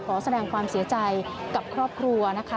ขอแสดงความเสียใจกับครอบครัวนะคะ